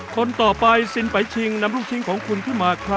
คนต่อไปซินไปชิงนำลูกชิ้นของคุณขึ้นมาครับ